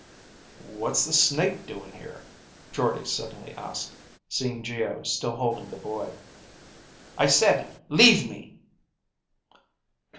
"What's the Snake doing here?" Jordde suddenly asked, seeing Geo still holding the boy. "I said, leave me!"